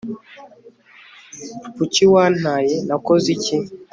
kuki bantaye, nakoze iki